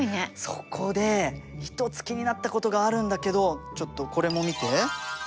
そこで一つ気になったことがあるんだけどちょっとこれも見て。